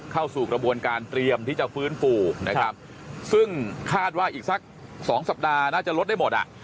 เข้าสู่กระบวนการเตรียมที่จะฟื้นฟูนะครับซึ่งคาดว่าอีกสักสองสัปดาห์น่าจะลดได้หมดอ่ะ